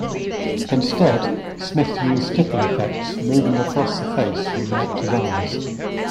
Instead, Smith used stipple effects moving across the face from the actor's eyes.